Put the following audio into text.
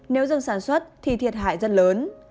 nếu dừng sản xuất thì thiệt hại rất lớn